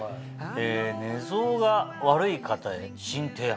「寝相が悪い方へ新提案！」。